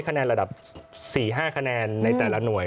คะแนนระดับ๔๕คะแนนในแต่ละหน่วย